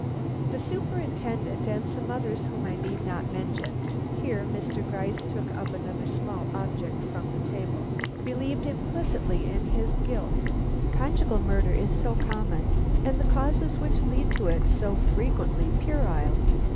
"The Superintendent and some others whom I need not mention," here Mr. Gryce took up another small object from the table, "believed implicitly in his guilt; conjugal murder is so common and the causes which lead to it so frequently puerile.